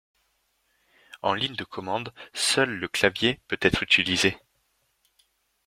En ligne de commande, seul le clavier peut être utilisé.